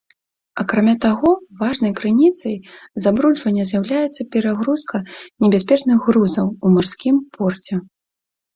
Акрамя таго, важнай крыніцай забруджвання з'яўляецца перагрузка небяспечных грузаў у марскім порце.